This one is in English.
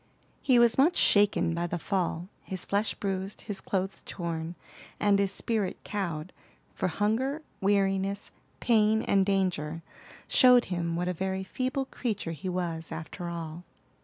He was much shaken by the fall, his flesh bruised, his clothes torn, and his spirit cowed; for hunger, weariness, pain, and danger, showed him what a very feeble creature he was, after all.